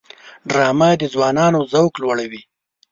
ډرامه د ځوانانو ذوق لوړوي